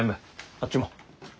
あっちも。